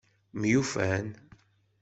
Myufan.